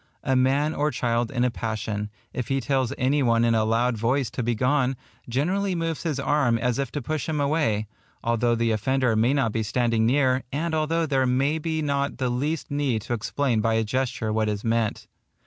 A man or child in a passion, if he tells any one in a loud voice to begone, generally moves his arm as if to push him away, although the offender may not be standing near, and although there may be not the least need to explain by a gesture what is meant.